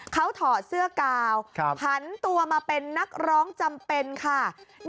เขาถอดเสื้อกาวผันตัวมาเป็นนักร้องจำเป็นค่ะ